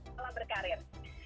mbak lala berkarir